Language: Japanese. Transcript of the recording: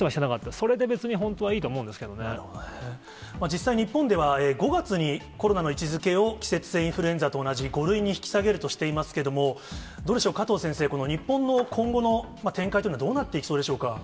それで別に、本当はいいと思うん実際、日本では５月にコロナの位置づけを、季節性インフルエンザと同じ５類に引き下げるとしていますけれども、どうでしょう、加藤先生、この日本の今後の展開というのは、どうなっていきそうでしょうか。